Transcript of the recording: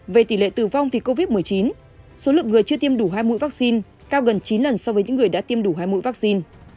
về tỷ lệ tử vong vì covid một mươi chín số lượng người chưa tiêm đủ hai mũi vaccine cao gần chín lần so với những người đã tiêm đủ hai mũi vaccine